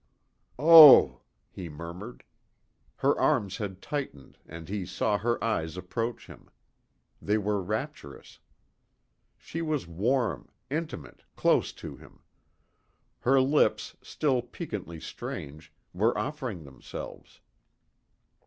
"Oh!" he murmured. Her arms had tightened and he saw her eyes approach him. They were rapturous. She was warm, intimate, close to him. Her lips, still piquantly strange, were offering themselves.